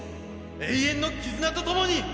永遠の絆とともに。